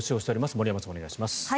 森山さん、お願いします。